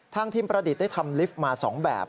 ทางทีมประดิษฐ์ได้ทำลิฟต์มา๒แบบ